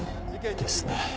ですね。